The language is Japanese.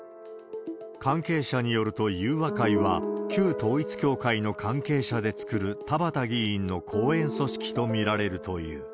関係者によると、裕和会は、旧統一教会の関係者で作る田畑議員の後援組織と見られるという。